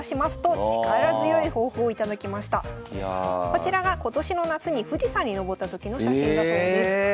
こちらが今年の夏に富士山に登った時の写真だそうです。